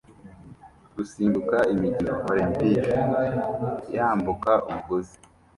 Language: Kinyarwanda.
Gusimbuka imikino Olempike yambuka umugozi